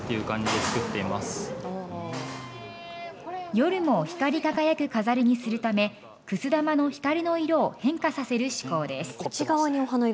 夜も光り輝く飾りにするためくす玉の光の色を変化させる趣向です。